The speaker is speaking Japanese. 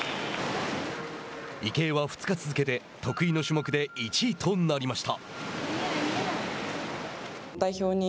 池江は２日続けて得意の種目で１位となりました。